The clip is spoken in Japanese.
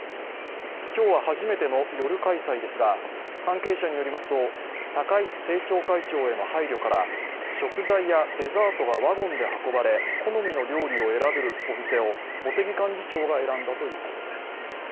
今日は初めての夜開催ですが関係者によりますと高市政調会長への配慮から食材やデザートがワゴンで運ばれ、好みの料理を選べるお店を茂木幹事長が選んだということです。